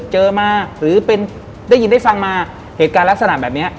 เจอมาหรือเป็นได้ยินได้ฟังมาเหตุการณ์ลักษณะแบบนี้